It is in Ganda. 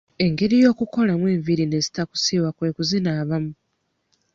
Engeri y'okukolamu enviiri ne zitakusiiwa kwe kuzinaabamu.